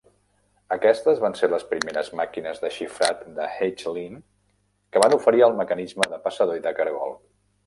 Aquestes van ser les primeres màquines de xifrat de Hagelin que van oferir el mecanisme de passador i de cargol.